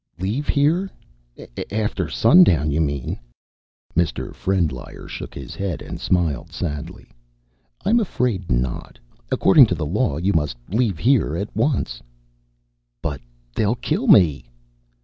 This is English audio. "Leave here? After sundown, you mean." Mr. Frendlyer shook his head and smiled sadly. "I'm afraid not. According to the law, you must leave here at once." "But they'll kill me!"